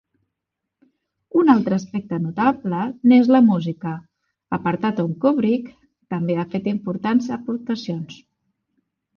Un altre aspecte notable n'és la música, apartat on Kubrick també ha fet importants aportacions.